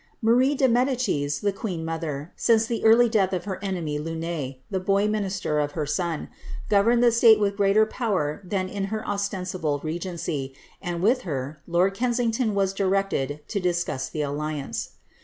Marie de Medicis, the queen mother, since the early death of her enemy Luynes, (the boy minister of her son,) governed the state with greater power than in her ostensible regency, and with her lord Kensington was directed to discuss the alliance.